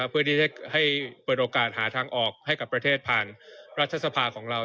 เพื่อที่จะให้เปิดโอกาสหาทางออกให้กับประเทศผ่านรัฐสภาของเรา